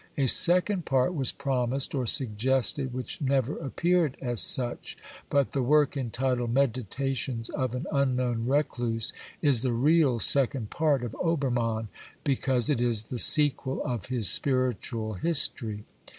A second part was promised or suggested which never ap peared as such, but the work entitled " Meditations of an Unknown Recluse" is the real second part of Obermann, because it is the sequel of his spiritual history.